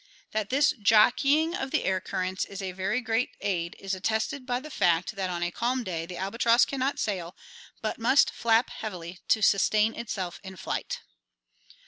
That this "jockeying" of the air currents is a very great aid is attested by the fact that on a calm day the albatross can not sail, but must flap heavily to sustain itself in flight.